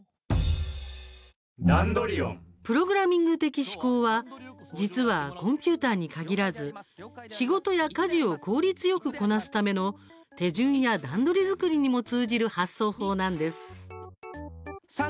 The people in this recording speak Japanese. プログラミング的思考は実はコンピューターに限らず仕事や家事を効率よくこなすための手順や段取り作りにも通じる発想法なんです。